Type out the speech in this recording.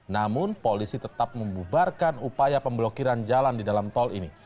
namun polisi tetap membubarkan upaya pemblokiran jalan di dalam tol ini